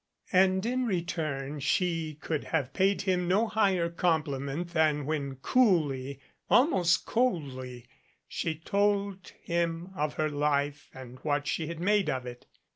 And in return she could have paid him no higher compliment than when coolly, almost 71 MADCAP coldly, she told him of her life and what she had made of it.